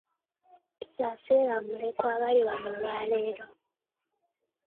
Tusaasire bamulekwa abali wano olwaleero.